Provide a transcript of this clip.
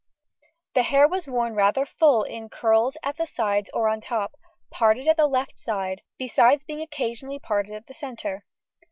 The hair was worn rather full in curls at the sides or on top, parted at the left side, besides being occasionally parted at the centre.